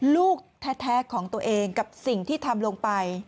ลูกแท้ของตัวเองกับสิ่งที่ทำลงไป